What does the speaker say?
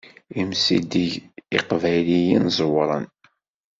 Imsidag iqbayliyen ẓewren.